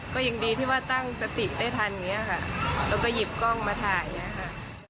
ก็ยังดีที่ว่าตั้งสติได้ทันอย่างนี้ค่ะแล้วก็หยิบกล้องมาถ่ายอย่างนี้ค่ะ